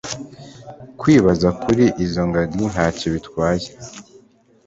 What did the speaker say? kwibaza kuri izo ngagi ntacyo bitwaye